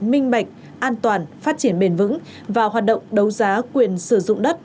minh bạch an toàn phát triển bền vững và hoạt động đấu giá quyền sử dụng đất